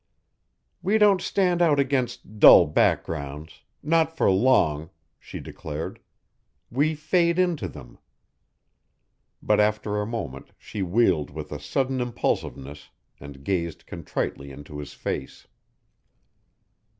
"We don't stand out against dull backgrounds not for long," she declared. "We fade into them." But after a moment she wheeled with a sudden impulsiveness and gazed contritely into his face.